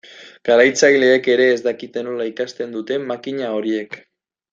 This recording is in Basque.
Garatzaileek ere ez dakite nola ikasten duten makina horiek.